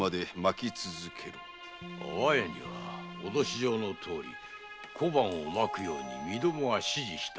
安房屋には脅し状のとおり小判をまくように身共が指示した。